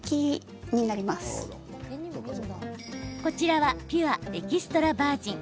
こちらはピュアエキストラバージン